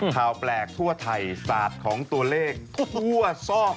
ข่าวแปลกทั่วไทยศาสตร์ของตัวเลขทั่วซอก